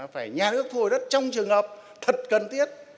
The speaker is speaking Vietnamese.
phải nhà nước thu hồi đất trong trường hợp thật cần thiết